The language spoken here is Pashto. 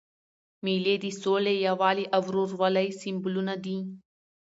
مېلې د سولي، یووالي او ورورولۍ سېمبولونه دي.